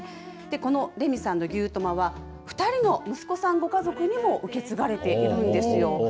このレミさんの牛トマは、２人の息子さんご家族にも受け継がれているんですよ。